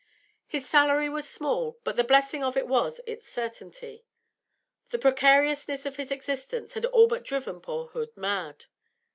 His salary was small, but the blessing of it was its certainty; the precariousness of his existence had all but driven poor Hood mad.